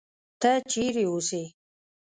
ته چېرې اوسې؟